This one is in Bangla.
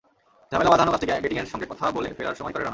ঝামেলা বাধানো কাজটি গ্যাটিংয়ের সঙ্গে কথা বলে ফেরার সময়ই করেন রানা।